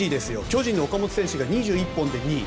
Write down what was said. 巨人の岡本選手が２１本で２位。